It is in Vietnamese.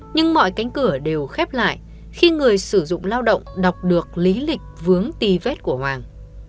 nhưng mọi cánh cửa đều khép lại khi người sử dụng lao động đọc được lý lịch vướng tì vết của hoàng